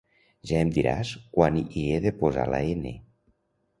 Ja em diràs quan hi he de posar la N